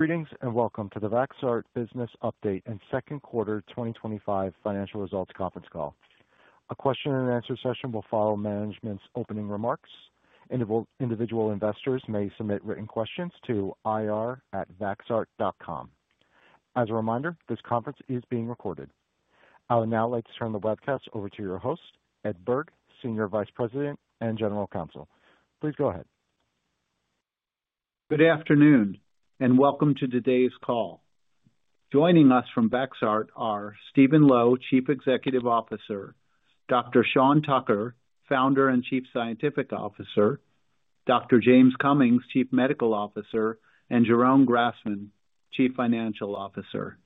Greetings and welcome to the Vaxart Business Update and Second Quarter 2025 Financial Results Conference Call. A question and answer session will follow management's opening remarks. Individual investors may submit written questions to ir@vaxart.com. As a reminder, this conference is being recorded. I would now like to turn the webcast over to your host, Ed Berg, Senior Vice President and General Counsel. Please go ahead. Good afternoon and welcome to today's call. Joining us from Vaxart are Steven Lo, Chief Executive Officer, Dr. Sean Tucker, Founder and Chief Scientific Officer, Dr. James Cummings, Chief Medical Officer, and Jeroen Grasman, Chief Financial Officer.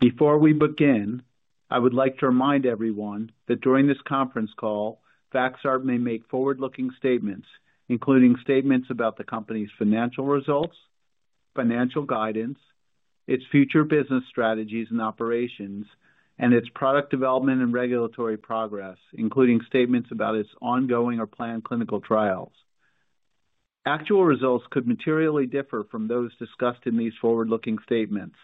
Before we begin, I would like to remind everyone that during this conference call, Vaxart may make forward-looking statements, including statements about the company's financial results, financial guidance, its future business strategies and operations, and its product development and regulatory progress, including statements about its ongoing or planned clinical trials. Actual results could materially differ from those discussed in these forward-looking statements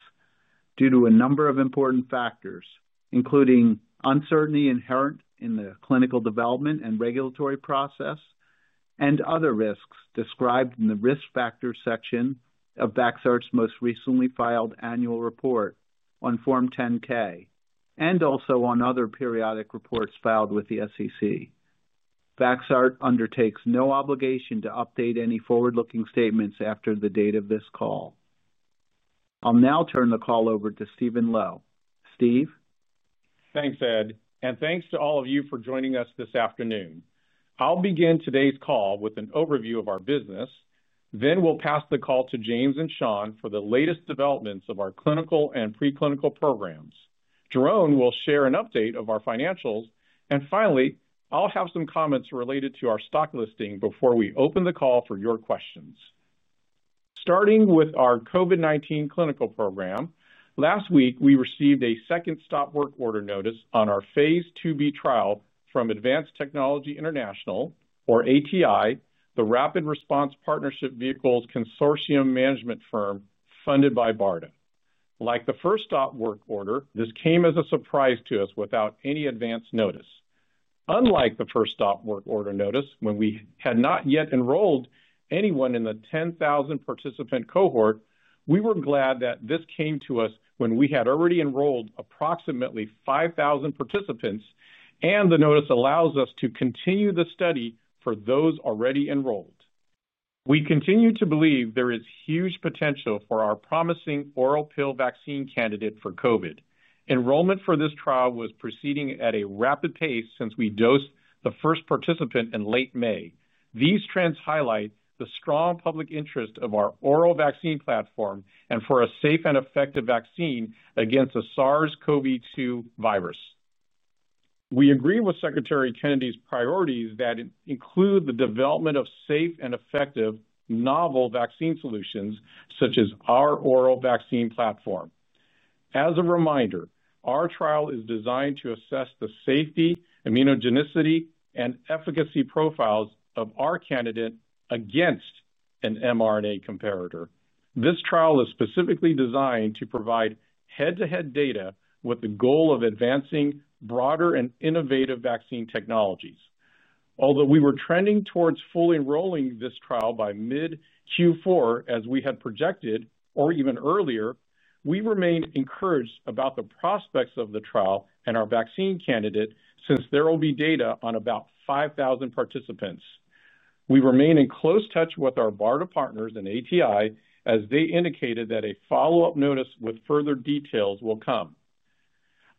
due to a number of important factors, including uncertainty inherent in the clinical development and regulatory process, and other risks described in the risk factors section of Vaxart's most recently filed annual report on Form 10-K, and also on other periodic reports filed with the SEC. Vaxart undertakes no obligation to update any forward-looking statements after the date of this call. I'll now turn the call over to Steven Lo. Steve. Thanks, Ed, and thanks to all of you for joining us this afternoon. I'll begin today's call with an overview of our business. Then we'll pass the call to James and Sean for the latest developments of our clinical and preclinical programs. Jeroen will share an update of our financials, and finally, I'll have some comments related to our stock listing before we open the call for your questions. Starting with our COVID-19 clinical program, last week we received a second stop work order notice on our COVID-19 phase II-B trial from Advanced Technology International, or ATI, the Rapid Response Partnership Vehicles Consortium management firm funded by BARDA. Like the first stop work order, this came as a surprise to us without any advance notice. Unlike the first stop work order notice, when we had not yet enrolled anyone in the 10,000 participant cohort, we were glad that this came to us when we had already enrolled approximately 5,000 participants, and the notice allows us to continue the study for those already enrolled. We continue to believe there is huge potential for our promising oral pill vaccine candidate for COVID. Enrollment for this trial was proceeding at a rapid pace since we dosed the first participant in late May. These trends highlight the strong public interest of our oral vaccine platform and for a safe and effective vaccine against the SARS-CoV-2 virus. We agree with Secretary Kennedy's priorities that include the development of safe and effective novel vaccine solutions, such as our oral vaccine platform. As a reminder, our trial is designed to assess the safety, immunogenicity, and efficacy profiles of our candidate against an mRNA comparator. This trial is specifically designed to provide head-to-head data with the goal of advancing broader and innovative vaccine technologies. Although we were trending towards fully enrolling this trial by mid-Q4, as we had projected, or even earlier, we remain encouraged about the prospects of the trial and our vaccine candidate since there will be data on about 5,000 participants. We remain in close touch with our BARDA partners and ATI, as they indicated that a follow-up notice with further details will come.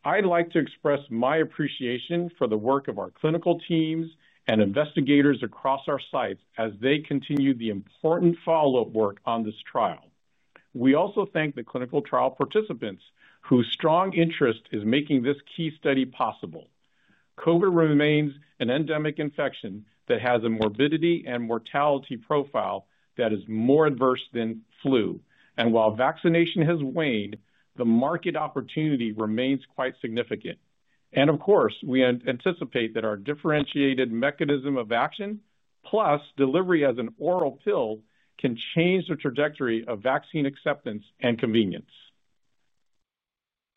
I'd like to express my appreciation for the work of our clinical teams and investigators across our sites as they continue the important follow-up work on this trial. We also thank the clinical trial participants whose strong interest is making this key study possible. COVID remains an endemic infection that has a morbidity and mortality profile that is more adverse than flu. While vaccination has waned, the market opportunity remains quite significant. Of course, we anticipate that our differentiated mechanism of action, plus delivery as an oral pill, can change the trajectory of vaccine acceptance and convenience.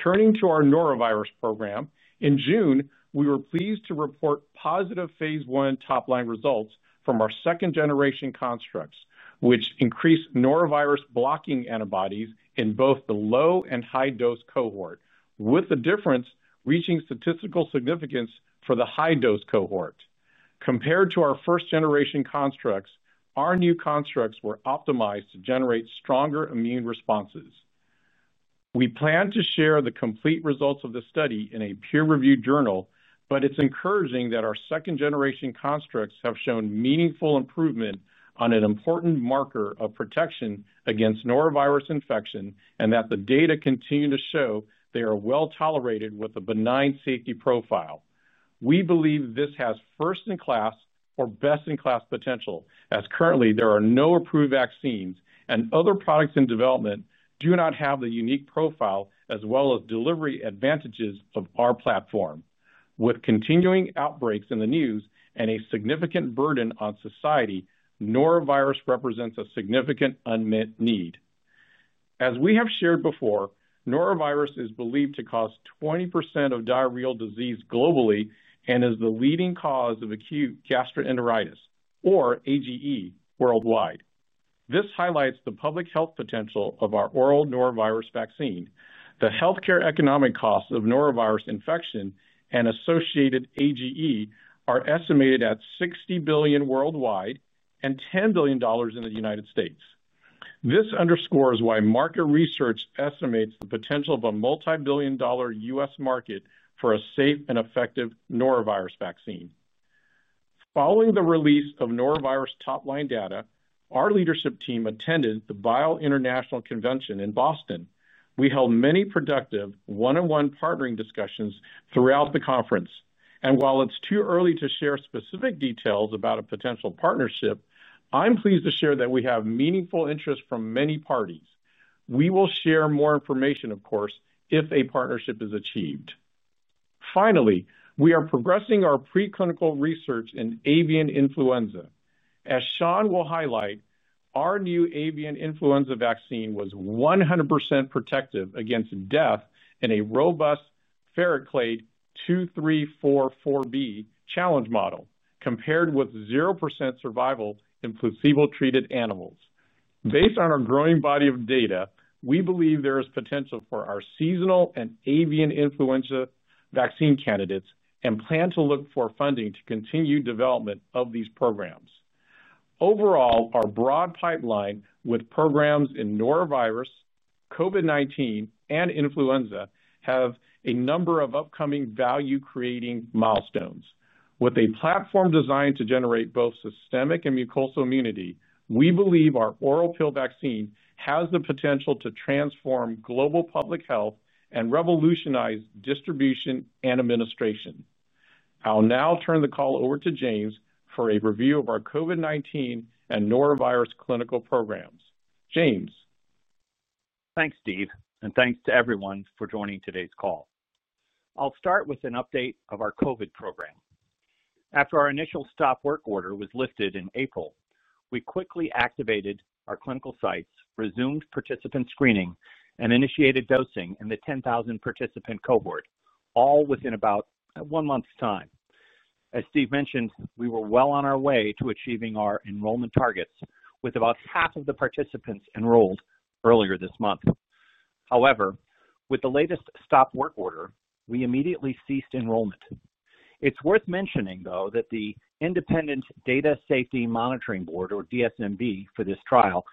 Turning to our norovirus program, in June, we were pleased to report positive phase I top-line results from our second-generation constructs, which increased norovirus blocking antibodies in both the low and high-dose cohort, with the difference reaching statistical significance for the high-dose cohort. Compared to our first-generation constructs, our new constructs were optimized to generate stronger immune responses. We plan to share the complete results of the study in a peer-reviewed journal, but it's encouraging that our second-generation constructs have shown meaningful improvement on an important marker of protection against norovirus infection and that the data continue to show they are well tolerated with a benign safety profile. We believe this has first-in-class or best-in-class potential, as currently there are no approved vaccines, and other products in development do not have the unique profile as well as delivery advantages of our platform. With continuing outbreaks in the news and a significant burden on society, norovirus represents a significant unmet need. As we have shared before, norovirus is believed to cause 20% of diarrheal disease globally and is the leading cause of acute gastroenteritis, or AGE, worldwide. This highlights the public health potential of our oral norovirus vaccine. The healthcare economic costs of norovirus infection and associated AGE are estimated at $60 billion worldwide and $10 billion in the United States. This underscores why market research estimates the potential of a multi-billion dollar U.S. market for a safe and effective norovirus vaccine. Following the release of norovirus top-line data, our leadership team attended the Bio International Convention in Boston. We held many productive one-on-one partnering discussions throughout the conference. While it's too early to share specific details about a potential partnership, I'm pleased to share that we have meaningful interest from many parties. We will share more information, of course, if a partnership is achieved. Finally, we are progressing our preclinical research in avian influenza. As Sean will highlight, our new avian influenza vaccine was 100% protective against death in a robust ferret Clade 2.3.4.4b challenge model, compared with 0% survival in placebo-treated animals. Based on our growing body of data, we believe there is potential for our seasonal and avian influenza vaccine candidates and plan to look for funding to continue development of these programs. Overall, our broad pipeline with programs in norovirus, COVID-19, and influenza has a number of upcoming value-creating milestones. With a platform designed to generate both systemic and mucosal immunity, we believe our oral pill vaccine has the potential to transform global public health and revolutionize distribution and administration. I'll now turn the call over to James for a review of our COVID-19 and norovirus clinical programs. James. Thanks, Steve, and thanks to everyone for joining today's call. I'll start with an update of our COVID program. After our initial stop work order was lifted in April, we quickly activated our clinical sites, resumed participant screening, and initiated dosing in the 10,000 participant cohort, all within about one month's time. As Steve mentioned, we were well on our way to achieving our enrollment targets, with about half of the participants enrolled earlier this month. However, with the latest stop work order, we immediately ceased enrollment. It's worth mentioning, though, that the Independent Data Safety Monitoring Board, or DSMB, for this trial,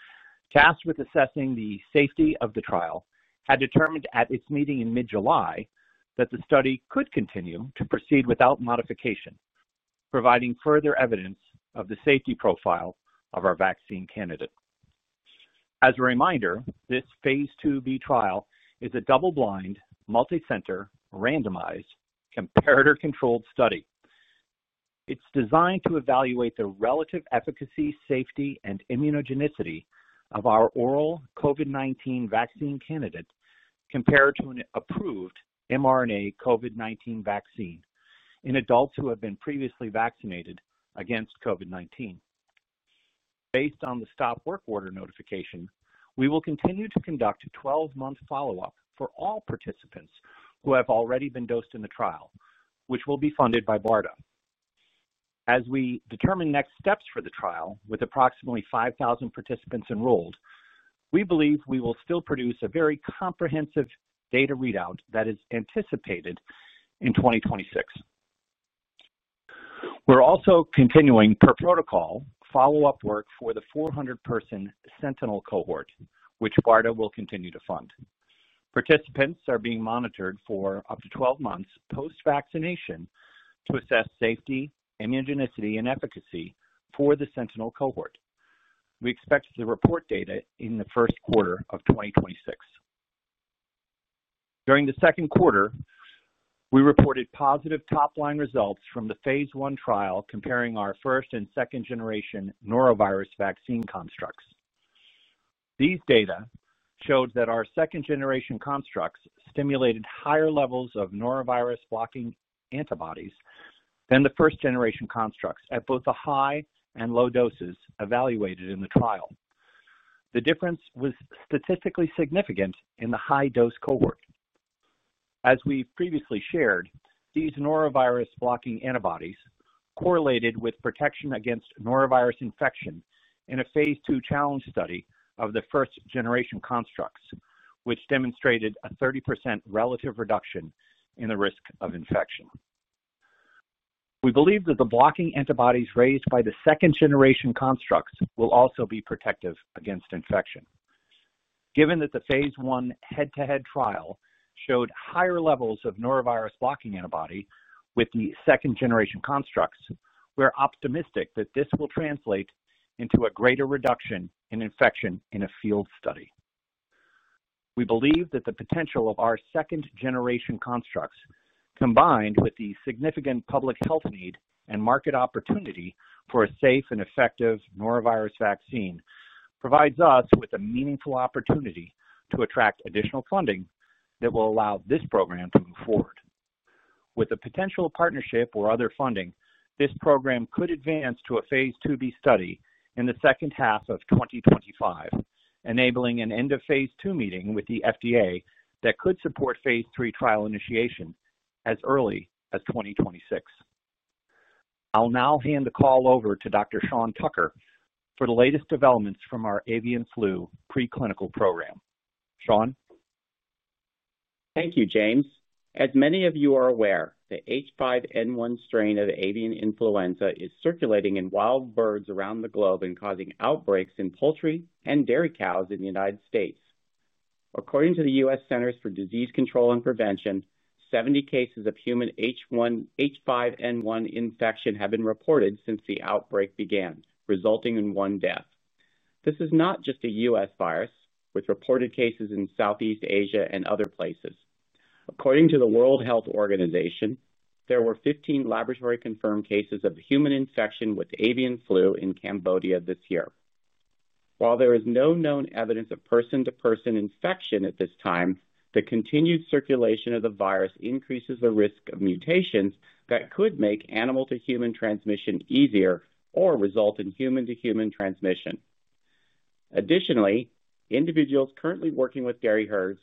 tasked with assessing the safety of the trial, had determined at its meeting in mid-July that the study could continue to proceed without modification, providing further evidence of the safety profile of our vaccine candidate. As a reminder, this phase II-B trial is a double-blind, multi-center, randomized, comparator-controlled study. It's designed to evaluate the relative efficacy, safety, and immunogenicity of our oral COVID-19 vaccine candidate compared to an approved mRNA COVID-19 vaccine in adults who have been previously vaccinated against COVID-19. Based on the stop work order notification, we will continue to conduct a 12-month follow-up for all participants who have already been dosed in the trial, which will be funded by BARDA. As we determine next steps for the trial, with approximately 5,000 participants enrolled, we believe we will still produce a very comprehensive data readout that is anticipated in 2026. We're also continuing, per protocol, follow-up work for the 400-person sentinel cohort, which BARDA will continue to fund. Participants are being monitored for up to 12 months post-vaccination to assess safety, immunogenicity, and efficacy for the sentinel cohort. We expect to report data in the first quarter of 2026. During the second quarter, we reported positive top-line results from the phase I trial comparing our first and second-generation norovirus vaccine constructs. These data showed that our second-generation constructs stimulated higher levels of norovirus blocking antibodies than the first-generation constructs at both the high and low doses evaluated in the trial. The difference was statistically significant in the high-dose cohort. As we previously shared, these norovirus blocking antibodies correlated with protection against norovirus infection in a phase II challenge study of the first-generation constructs, which demonstrated a 30% relative reduction in the risk of infection. We believe that the blocking antibodies raised by the second-generation constructs will also be protective against infection. Given that the phase I head-to-head trial showed higher levels of norovirus blocking antibody with the second-generation constructs, we're optimistic that this will translate into a greater reduction in infection in a field study. We believe that the potential of our second-generation constructs, combined with the significant public health need and market opportunity for a safe and effective norovirus vaccine, provides us with a meaningful opportunity to attract additional funding that will allow this program to move forward. With the potential partnership or other funding, this program could advance to a phase II-B study in the second half of 2025, enabling an end-of-phase II meeting with the FDA that could support phase III trial initiation as early as 2026. I'll now hand the call over to Dr. Sean Tucker for the latest developments from our avian influenza preclinical program. Sean. Thank you, James. As many of you are aware, the H5N1 strain of avian influenza is circulating in wild birds around the globe and causing outbreaks in poultry and dairy cows in the United States. According to the U.S. Centers for Disease Control and Prevention, 70 cases of human H5N1 infection have been reported since the outbreak began, resulting in one death. This is not just a U.S. virus, with reported cases in Southeast Asia and other places. According to the World Health Organization, there were 15 laboratory-confirmed cases of human infection with avian influenza in Cambodia this year. While there is no known evidence of person-to-person infection at this time, the continued circulation of the virus increases the risk of mutations that could make animal-to-human transmission easier or result in human-to-human transmission. Additionally, individuals currently working with dairy herds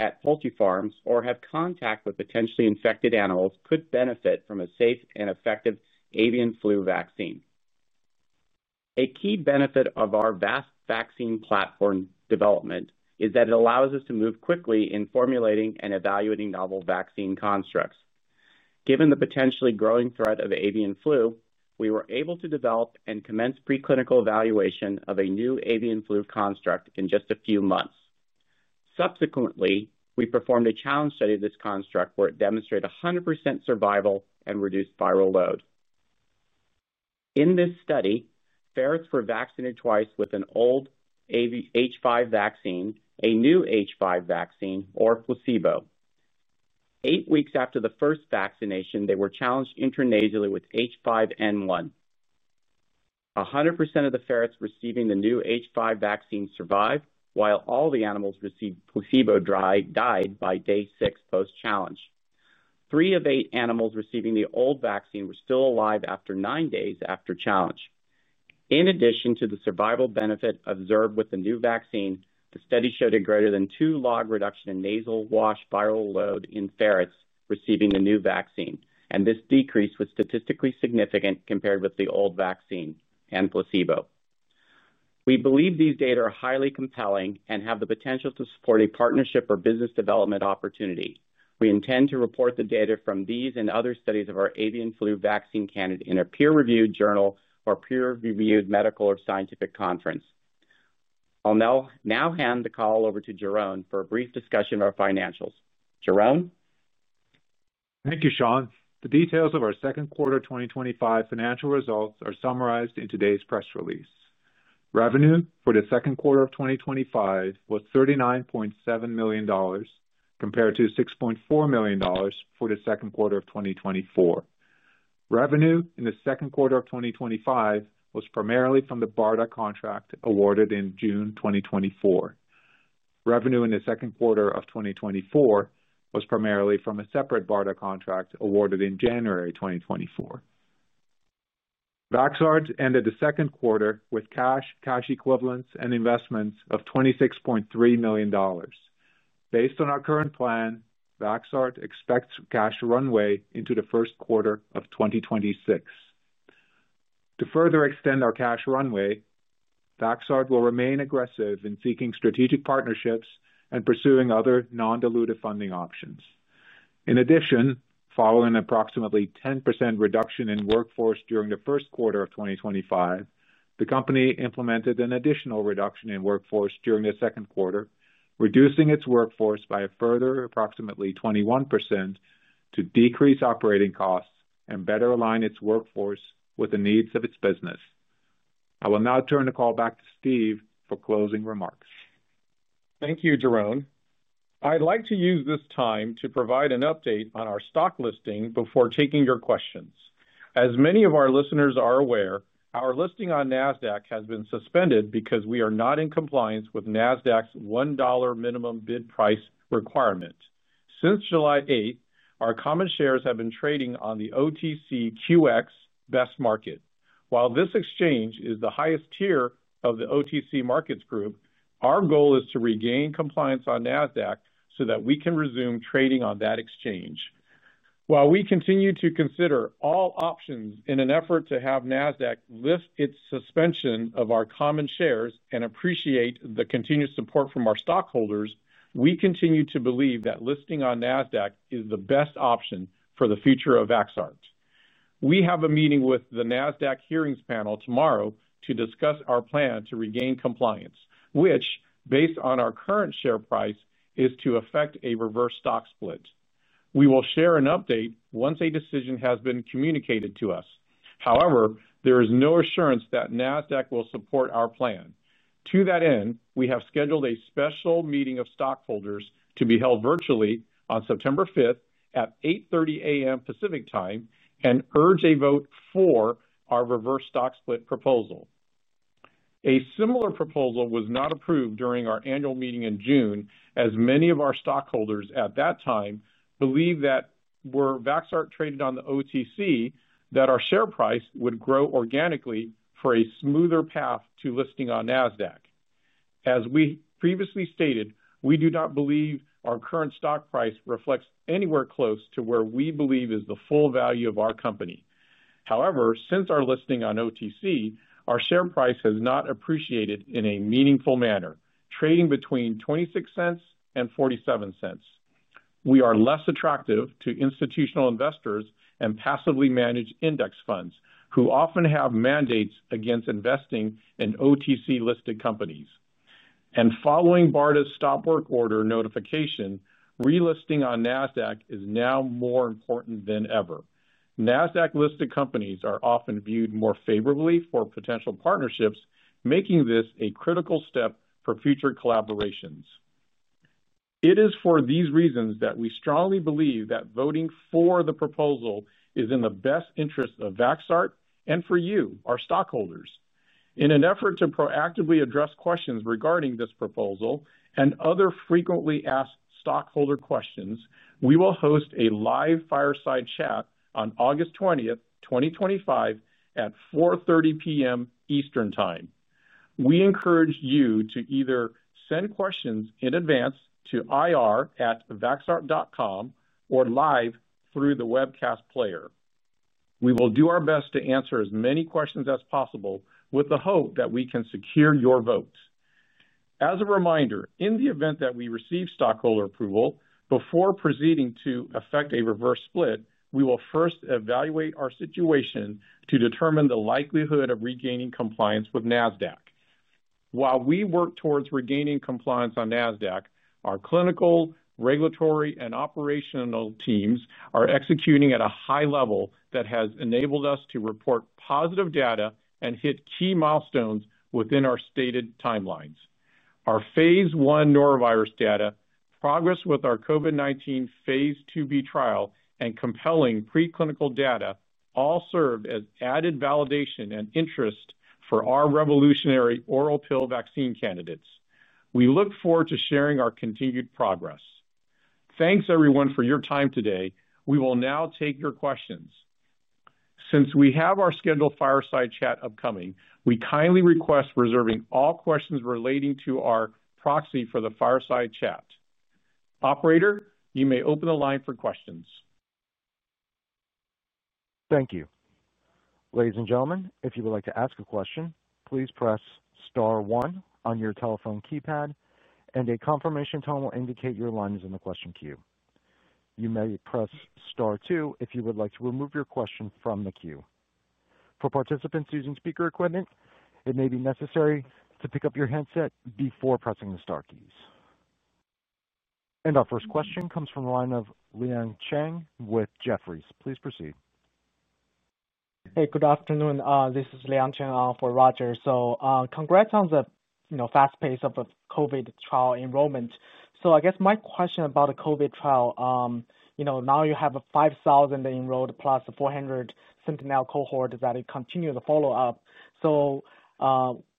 at poultry farms or who have contact with potentially infected animals could benefit from a safe and effective avian influenza vaccine. A key benefit of our Vaxart vaccine platform development is that it allows us to move quickly in formulating and evaluating novel vaccine constructs. Given the potentially growing threat of avian influenza, we were able to develop and commence preclinical evaluation of a new avian influenza construct in just a few months. Subsequently, we performed a challenge study of this construct where it demonstrated 100% survival and reduced viral load. In this study, ferrets were vaccinated twice with an old H5 vaccine, a new H5 vaccine, or placebo. Eight weeks after the first vaccination, they were challenged intranasally with H5N1. 100% of the ferrets receiving the new H5 vaccine survived, while all the animals receiving placebo died by day six post-challenge. Three of eight animals receiving the old vaccine were still alive after nine days after challenge. In addition to the survival benefit observed with the new vaccine, the study showed a greater than two log reduction in nasal wash viral load in ferrets receiving the new vaccine, and this decrease was statistically significant compared with the old vaccine and placebo. We believe these data are highly compelling and have the potential to support a partnership or business development opportunity. We intend to report the data from these and other studies of our avian influenza vaccine candidate in a peer-reviewed journal or peer-reviewed medical or scientific conference. I'll now hand the call over to Jeroen for a brief discussion of our financials. Jeroen? Thank you, Sean. The details of our second quarter 2025 financial results are summarized in today's press release. Revenue for the second quarter of 2025 was $39.7 million compared to $6.4 million for the second quarter of 2024. Revenue in the second quarter of 2025 was primarily from the BARDA contract awarded in June 2024. Revenue in the second quarter of 2024 was primarily from a separate BARDA contract awarded in January 2024. Vaxart ended the second quarter with cash, cash equivalents, and investments of $26.3 million. Based on our current plan, Vaxart expects cash runway into the first quarter of 2026. To further extend our cash runway, Vaxart will remain aggressive in seeking strategic partnerships and pursuing other non-dilutive funding options. In addition, following an approximately 10% reduction in workforce during the first quarter of 2025, the company implemented an additional reduction in workforce during the second quarter, reducing its workforce by a further approximately 21% to decrease operating costs and better align its workforce with the needs of its business. I will now turn the call back to Steve for closing remarks. Thank you, Jeroen. I'd like to use this time to provide an update on our stock listing before taking your questions. As many of our listeners are aware, our listing on Nasdaq has been suspended because we are not in compliance with Nasdaq's $1 minimum bid price requirement. Since July 8, our common shares have been trading on the OTCQX Best Market. While this exchange is the highest tier of the OTC Markets Group, our goal is to regain compliance on Nasdaq so that we can resume trading on that exchange. While we continue to consider all options in an effort to have Nasdaq lift its suspension of our common shares and appreciate the continued support from our stockholders, we continue to believe that listing on Nasdaq is the best option for the future of Vaxart. We have a meeting with the Nasdaq hearings panel tomorrow to discuss our plan to regain compliance, which, based on our current share price, is to effect a reverse stock split. We will share an update once a decision has been communicated to us. However, there is no assurance that Nasdaq will support our plan. To that end, we have scheduled a special meeting of stockholders to be held virtually on September 5th at 8:30 A.M. Pacific Time and urge a vote for our reverse stock split proposal. A similar proposal was not approved during our annual meeting in June, as many of our stockholders at that time believed that were Vaxart traded on the OTC that our share price would grow organically for a smoother path to listing on Nasdaq. As we previously stated, we do not believe our current stock price reflects anywhere close to where we believe is the full value of our company. However, since our listing on OTC, our share price has not appreciated in a meaningful manner, trading between $0.26 and $0.47. We are less attractive to institutional investors and passively managed index funds, who often have mandates against investing in OTC-listed companies. Following BARDA's stop work order notification, relisting on Nasdaq is now more important than ever. Nasdaq-listed companies are often viewed more favorably for potential partnerships, making this a critical step for future collaborations. It is for these reasons that we strongly believe that voting for the proposal is in the best interest of Vaxart and for you, our stockholders. In an effort to proactively address questions regarding this proposal and other frequently asked stockholder questions, we will host a live fireside chat on August 20th, 2025, at 4:30 P.M. Eastern Time. We encourage you to either send questions in advance to ir@vaxart.com or live through the webcast player. We will do our best to answer as many questions as possible with the hope that we can secure your votes. As a reminder, in the event that we receive stockholder approval before proceeding to effect a reverse stock split, we will first evaluate our situation to determine the likelihood of regaining compliance with Nasdaq. While we work towards regaining compliance on NASDAQ, our clinical, regulatory, and operational teams are executing at a high level that has enabled us to report positive data and hit key milestones within our stated timelines. Our phase I norovirus data, progress with our COVID-19 phase II-B trial, and compelling preclinical data all served as added validation and interest for our revolutionary oral pill vaccine candidates. We look forward to sharing our continued progress. Thanks, everyone, for your time today. We will now take your questions. Since we have our scheduled fireside chat upcoming, we kindly request reserving all questions relating to our proxy for the fireside chat. Operator, you may open the line for questions. Thank you. Ladies and gentlemen, if you would like to ask a question, please press star one on your telephone keypad. A confirmation tone will indicate your line is in the question queue. You may press star two if you would like to remove your question from the queue. For participants using speaker equipment, it may be necessary to pick up your headset before pressing the star keys. Our first question comes from the line of Liang Cheng with Jefferies. Please proceed. Good afternoon. This is Liang Cheng for Rogers. Congrats on the fast pace of the COVID trial enrollment. My question about the COVID trial: now you have 5,000 enrolled plus the 400 sentinel cohort that continue to follow up.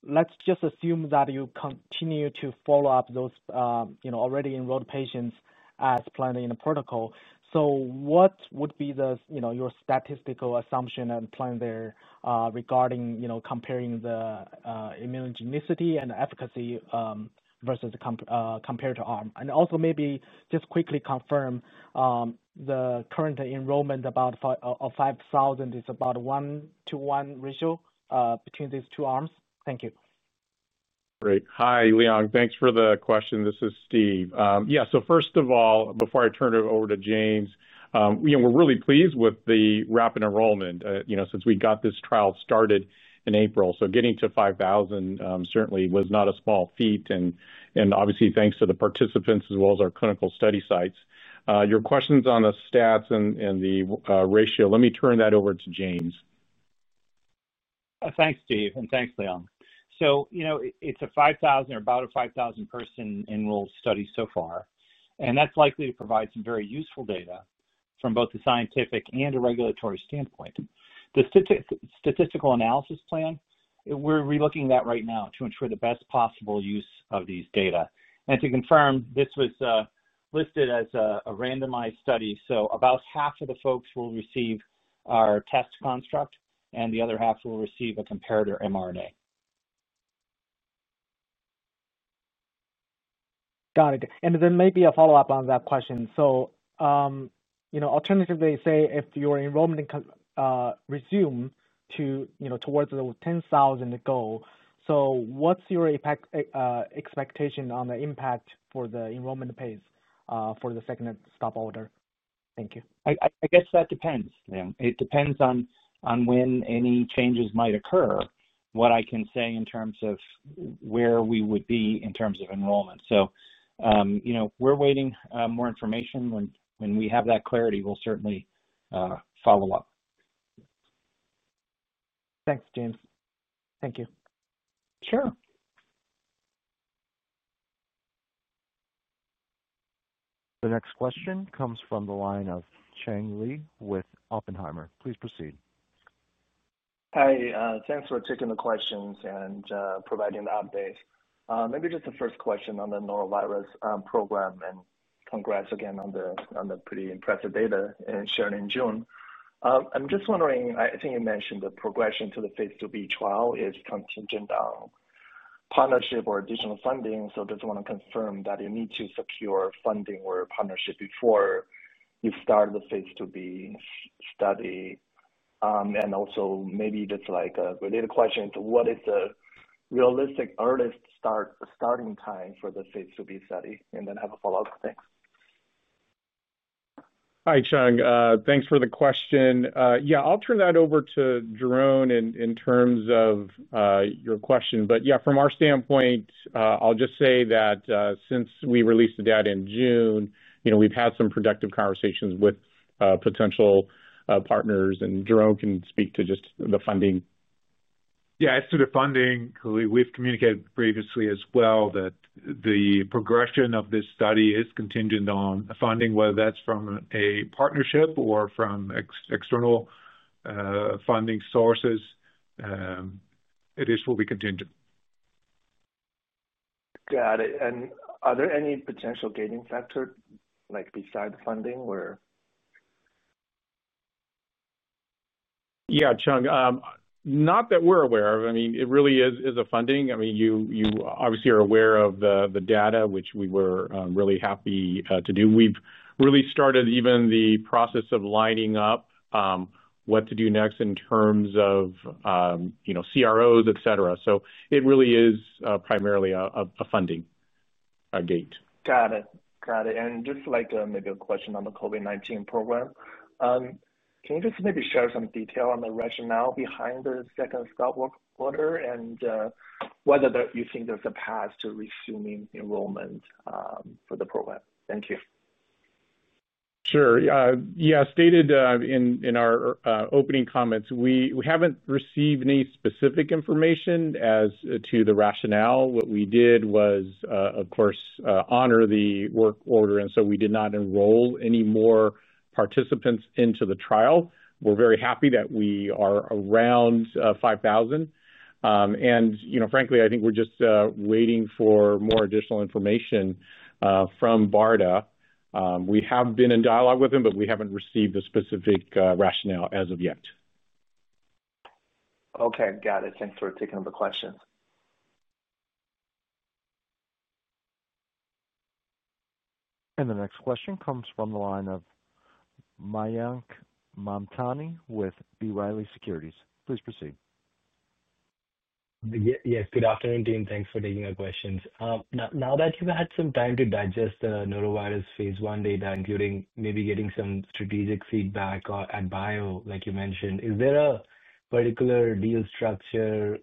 Let's assume that you continue to follow up those already enrolled patients as planned in the protocol. What would be your statistical assumption and plan there regarding comparing the immunogenicity and efficacy versus the comparator arm? Also, maybe just quickly confirm the current enrollment of 5,000 is about a one to one ratio between these two arms. Thank you. Great. Hi, Liang. Thanks for the question. This is Steve. First of all, before I turn it over to James, we're really pleased with the rapid enrollment since we got this trial started in April. Getting to 5,000 certainly was not a small feat. Obviously, thanks to the participants as well as our clinical study sites. Your questions on the stats and the ratio, let me turn that over to James. Thanks, Steve, and thanks, Liang. It's a 5,000 or about a 5,000 person enrolled study so far, and that's likely to provide some very useful data from both the scientific and a regulatory standpoint. The statistical analysis plan, we're relooking that right now to ensure the best possible use of these data. To confirm, this was listed as a randomized study. About half of the folks will receive our test construct, and the other half will receive a comparator mRNA. Got it. Maybe a follow-up on that question. You know, alternatively, say if your enrollment resumes towards the 10,000 goal, what's your expectation on the impact for the enrollment pace for the second stop order? Thank you. I guess that depends, Liang. It depends on when any changes might occur, what I can say in terms of where we would be in terms of enrollment. We're waiting for more information. When we have that clarity, we'll certainly follow up. Thanks, James. Thank you. Sure. The next question comes from the line of Cheng Li with Oppenheimer. Please proceed. Hi. Thanks for taking the questions and providing the updates. Maybe just the first question on the norovirus program, and congrats again on the pretty impressive data shared in June. I'm just wondering, I think you mentioned the progression to the phase II-B trial is contingent on partnership or additional funding. I just want to confirm that you need to secure funding or partnership before you start the phase II-B study. Also, maybe just like a related question to what is the realistic earliest starting time for the phase II-B study? I have a follow-up. Thanks. Hi, Cheng. Thanks for the question. I'll turn that over to Jeroen in terms of your question. From our standpoint, I'll just say that since we released the data in June, we've had some productive conversations with potential partners, and Jeroen can speak to just the funding. As to the funding, we've communicated previously as well that the progression of this study is contingent on funding, whether that's from a partnership or from external funding sources. It is fully contingent. Got it. Are there any potential gating factors, like beside the funding? Yeah, Cheng, not that we're aware of. It really is the funding. You obviously are aware of the data, which we were really happy to do. We've really started even the process of lining up what to do next in terms of, you know, CROs, et cetera. It really is primarily a funding gate. Got it. Maybe a question on the COVID-19 program, can you just maybe share some detail on the rationale behind the second stop order and whether you think there's a path to resuming enrollment for the program? Thank you. Sure. As stated in our opening comments, we haven't received any specific information as to the rationale. What we did was, of course, honor the work order, and we did not enroll any more participants into the trial. We're very happy that we are around 5,000. Frankly, I think we're just waiting for more additional information from BARDA. We have been in dialogue with them, but we haven't received a specific rationale as of yet. Okay, got it. Thanks for taking the questions. The next question comes from the line of Mayank Mamtani with B. Riley Securities. Please proceed. Yes, good afternoon, [team]. Thanks for taking our questions. Now that you've had some time to digest the norovirus phase I data, including maybe getting some strategic feedback at Bio, like you mentioned, is there a particular deal structure,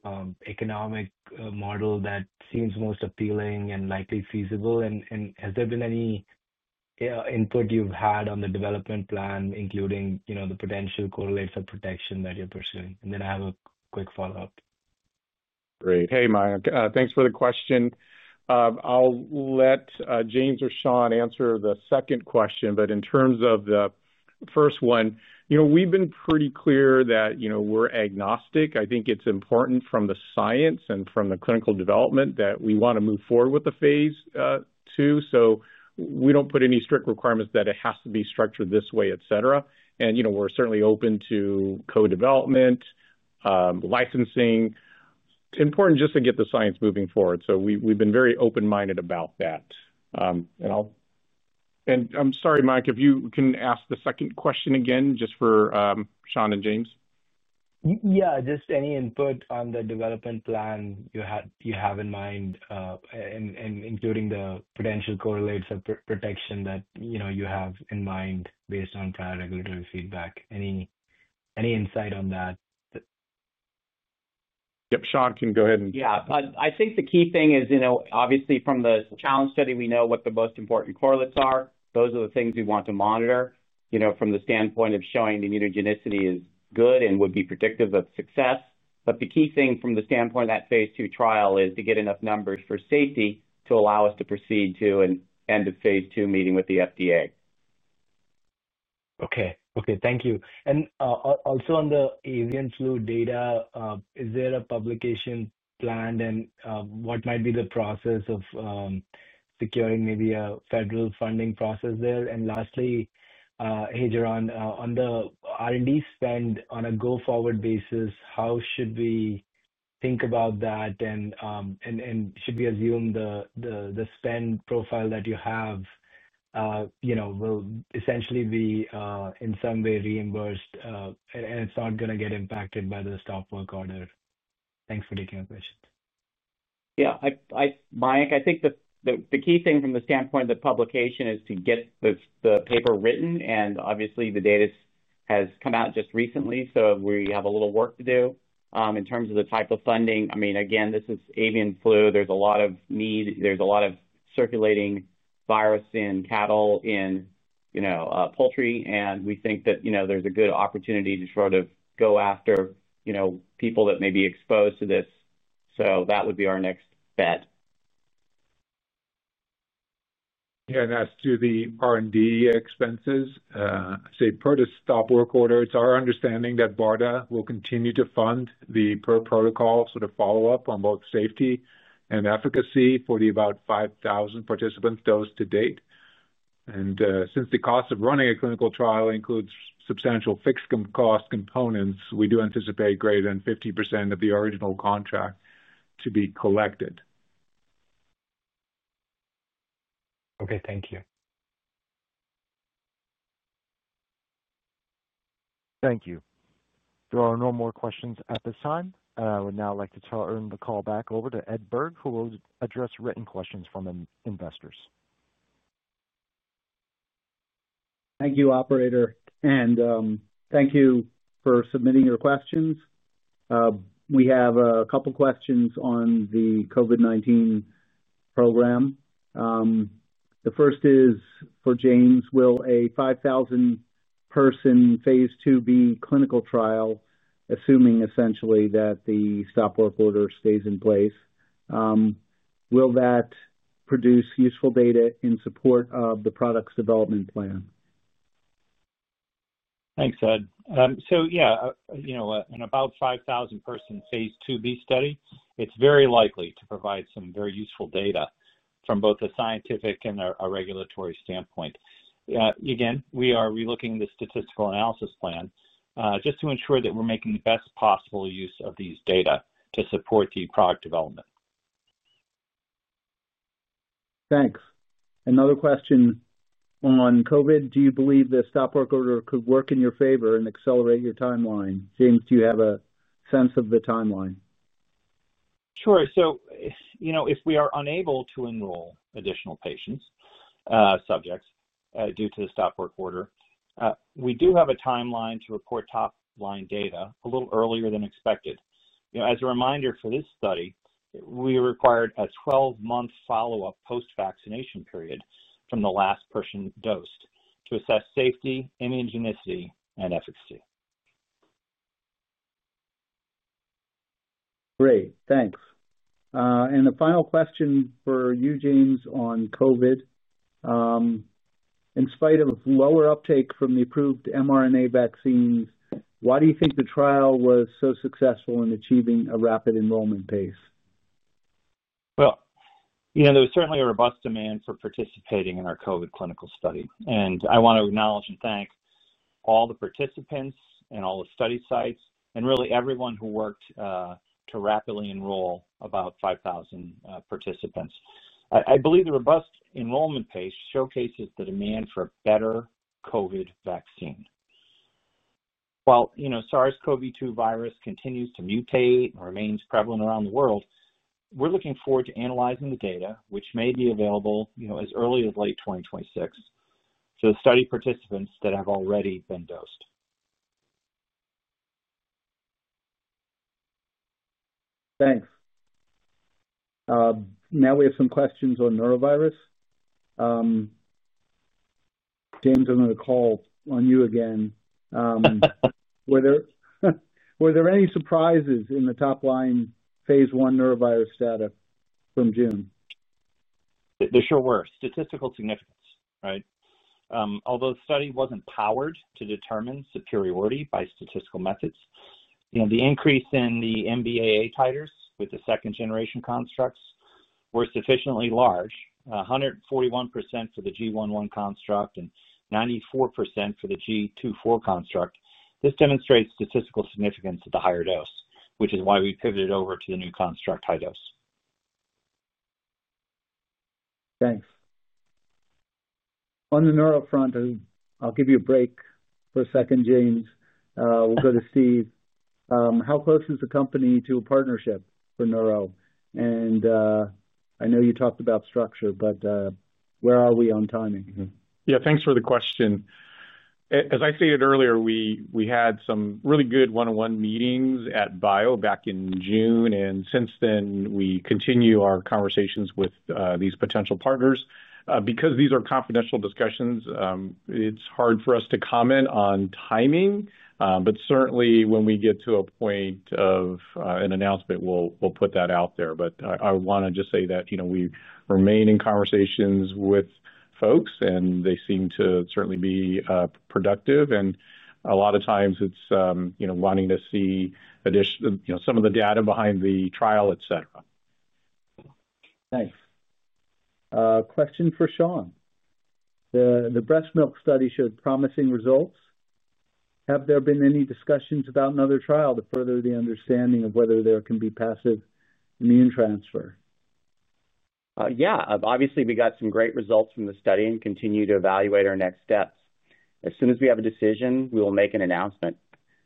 economic model that seems most appealing and likely feasible? Has there been any input you've had on the development plan, including the potential correlates of protection that you're pursuing? I have a quick follow-up. Great. Hey, Mayank. Thanks for the question. I'll let James or Sean answer the second question. In terms of the first one, we've been pretty clear that we're agnostic. I think it's important from the science and from the clinical development that we want to move forward with the phase II. We don't put any strict requirements that it has to be structured this way, et cetera. We're certainly open to co-development, licensing. It's important just to get the science moving forward. We've been very open-minded about that. I'm sorry, Mayank, if you can ask the second question again, just for Sean and James. Yeah, just any input on the development plan you have in mind, including the potential correlates of protection that you have in mind based on prior regulatory feedback. Any insight on that? Yep, Sean can go ahead. I think the key thing is, obviously from the challenge study, we know what the most important correlates are. Those are the things we want to monitor from the standpoint of showing immunogenicity is good and would be predictive of success. The key thing from the standpoint of that phase II trial is to get enough numbers for safety to allow us to proceed to an end of Phase II meeting with the FDA. Thank you. Also, on the avian influenza data, is there a publication planned, and what might be the process of securing maybe a federal funding process there? Lastly, Jeroen, on the R&D spend on a go-forward basis, how should we think about that? Should we assume the spend profile that you have will essentially be in some way reimbursed and it's not going to get impacted by the stop work order? Thanks for taking our questions. Yeah, Mayank, I think the key thing from the standpoint of the publication is to get the paper written. Obviously, the data has come out just recently, so we have a little work to do. In terms of the type of funding, I mean, again, this is avian influenza. There's a lot of need. There's a lot of circulating virus in cattle, in poultry. We think that there's a good opportunity to try to go after people that may be exposed to this. That would be our next bet. Yeah, as to the R&D expenses, I say per the stop work order, it's our understanding that BARDA will continue to fund the per protocol sort of follow-up on both safety and efficacy for the about 5,000 participants dosed to date. Since the cost of running a clinical trial includes substantial fixed cost components, we do anticipate greater than 50% of the original contract to be collected. Okay, thank you. Thank you. There are no more questions at this time. I would now like to turn the call back over to Ed Berg, who will address written questions from investors. Thank you, Operator. Thank you for submitting your questions. We have a couple of questions on the COVID-19 program. The first is for James. Will a 5,000-person phase II-B clinical trial, assuming essentially that the stop work order stays in place, produce useful data in support of the product's development plan? Thanks, Ed. An about 5,000-person phase II-B study is very likely to provide some very useful data from both a scientific and a regulatory standpoint. We are relooking the statistical analysis plan just to ensure that we're making the best possible use of these data to support the product development. Thanks. Another question on COVID. Do you believe the stop work order could work in your favor and accelerate your timeline? James, do you have a sense of the timeline? Sure. If we are unable to enroll additional patients, subjects due to the stop work order, we do have a timeline to report top-line data a little earlier than expected. As a reminder for this study, we required a 12-month follow-up post-vaccination period from the last person dosed to assess safety, immunogenicity, and efficacy. Great, thanks. The final question for you, James, on COVID. In spite of lower uptake from the approved mRNA vaccines, why do you think the trial was so successful in achieving a rapid enrollment pace? There was certainly a robust demand for participating in our COVID clinical study. I want to acknowledge and thank all the participants and all the study sites and really everyone who worked to rapidly enroll about 5,000 participants. I believe the robust enrollment pace showcases the demand for a better COVID vaccine. While the SARS-CoV-2 virus continues to mutate and remains prevalent around the world, we're looking forward to analyzing the data, which may be available as early as late 2026 to the study participants that have already been dosed. Thanks. Now we have some questions on norovirus. James, I'm going to call on you again. Were there any surprises in the top-line phase I norovirus data from June? There sure were. Statistical significance, right? Although the study wasn't powered to determine superiority by statistical methods, the increase in the MVAA titers with the second-generation constructs was sufficiently large, 141% for the G11 construct and 94% for the G24 construct. This demonstrates statistical significance at the higher dose, which is why we pivoted over to the new construct high dose. Thanks. On the neuro front, I'll give you a break for a second, James. We'll go to Steve. How close is the company to a partnership for neuro? I know you talked about structure, but where are we on timing? Yeah, thanks for the question. As I stated earlier, we had some really good one-on-one meetings at Bio back in June. Since then, we continue our conversations with these potential partners. Because these are confidential discussions, it's hard for us to comment on timing. Certainly, when we get to a point of an announcement, we'll put that out there. I want to just say that we remain in conversations with folks, and they seem to certainly be productive. A lot of times, it's wanting to see additional, you know, some of the data behind the trial, et cetera. Thanks. Question for Sean. The breast milk study showed promising results. Have there been any discussions about another trial to further the understanding of whether there can be passive immune transfer? Obviously, we got some great results from the study and continue to evaluate our next steps. As soon as we have a decision, we will make an announcement.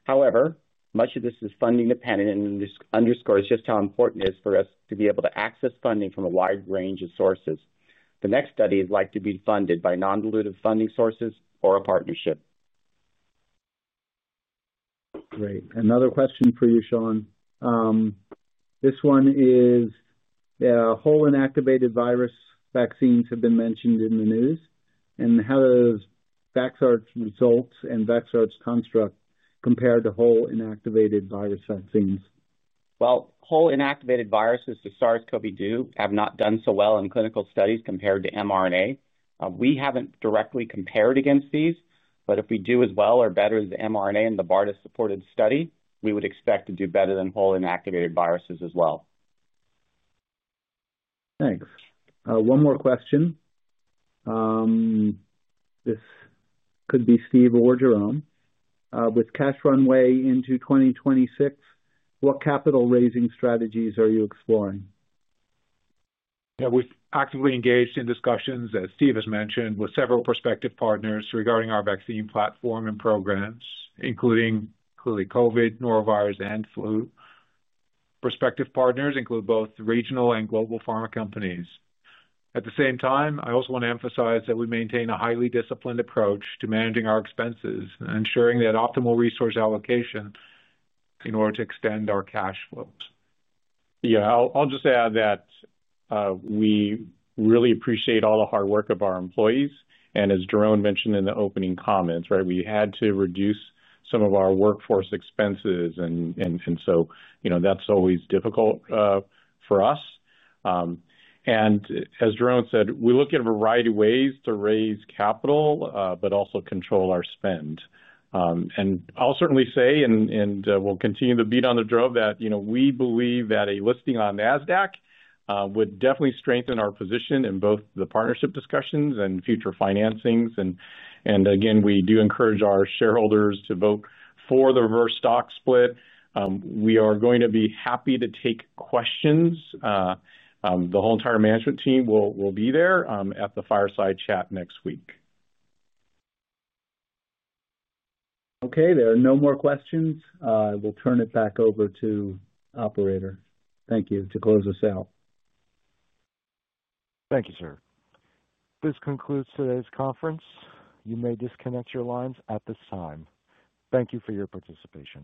However, much of this is funding dependent and underscores just how important it is for us to be able to access funding from a wide range of sources. The next study is likely to be funded by non-dilutive funding sources or a partnership. Great. Another question for you, Sean. This one is, whole inactivated virus vaccines have been mentioned in the news. How does Vaxart's results and Vaxart's construct compare to whole inactivated virus vaccines? Whole inactivated viruses, the SARS-CoV-2, have not done so well in clinical studies compared to mRNA. We haven't directly compared against these, but if we do as well or better as the mRNA in the BARDA-supported study, we would expect to do better than whole inactivated viruses as well. Thanks. One more question. This could be Steve or Jeroen. With cash runway into 2026, what capital raising strategies are you exploring? Yeah, we've actively engaged in discussions, as Steve has mentioned, with several prospective partners regarding our vaccine platform and programs, including clearly COVID, norovirus, and flu. Prospective partners include both regional and global pharma companies. At the same time, I also want to emphasize that we maintain a highly disciplined approach to managing our expenses and ensuring that optimal resource allocation in order to extend our cash flows. Yeah, I'll just add that we really appreciate all the hard work of our employees. As Jeroen mentioned in the opening comments, we had to reduce some of our workforce expenses. That's always difficult for us. As Jeroen said, we look at a variety of ways to raise capital, but also control our spend. I'll certainly say, and we'll continue to beat on the drum, that we believe that a listing on Nasdaq would definitely strengthen our position in both the partnership discussions and future financings. We do encourage our shareholders to vote for the reverse stock split. We are going to be happy to take questions. The whole entire management team will be there at the fireside chat next week. Okay, there are no more questions. We'll turn it back over to Operator. Thank you to close us out. Thank you, sir. This concludes today's conference. You may disconnect your lines at this time. Thank you for your participation.